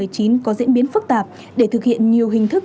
có diễn biến phức tạp để thực hiện